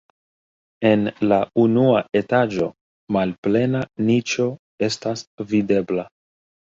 En la unua etaĝo malplena niĉo estas videbla.